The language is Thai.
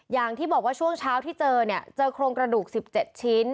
อย่างที่บอกว่าช่วงเช้าที่เจอเนี่ยเจอโครงกระดูก๑๗ชิ้น